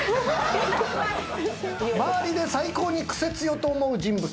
周りで最高にクセ強と思う人物は？